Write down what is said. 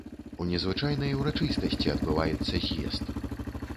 У незвычайнай урачыстасці адбываецца з'езд.